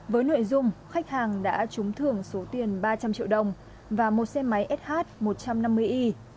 với nội dung khách hàng đã trúng thưởng số tiền ba trăm linh triệu đồng và một xe máy sh một trăm năm mươi y